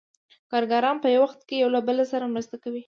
کارګران په یو وخت کې یو له بل سره مرسته کوي